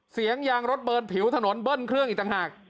ยางรถเบิร์นผิวถนนเบิ้ลเครื่องอีกต่างหาก